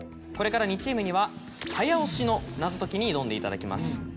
これから２チームには早押しの謎解きに挑んでいただきます。